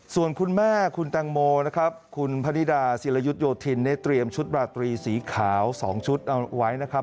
ส่วนคุณแม่คุณแตงโมนะครับคุณพนิดาศิรยุทธโยธินได้เตรียมชุดราตรีสีขาว๒ชุดเอาไว้นะครับ